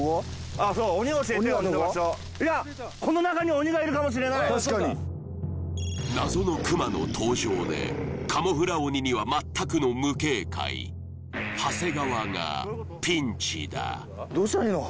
あそう鬼教えて鬼の場所・確かに謎のクマの登場でカモフラ鬼には全くの無警戒長谷川がピンチだどうしたらいいの？